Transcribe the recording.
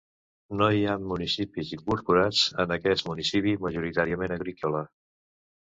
No hi ha municipis incorporats en aquest municipi majoritàriament agrícola.